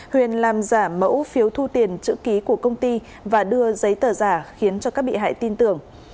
huyền làm giả mẫu phiếu thu tiền chữ ký của công ty và đưa giấy tờ giả khiến cho các bị hại tin tưởng